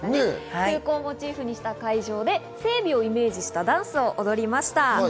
空港をモチーフにした会場で整備をイメージしたダンスを踊りました。